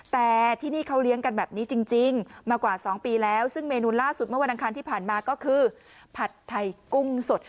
แต่ที่นี่เขาเลี้ยงกันแบบนี้จริงมากว่า๒ปีแล้วซึ่งเมนูล่าสุดเมื่อวันอังคารที่ผ่านมาก็คือผัดไทยกุ้งสด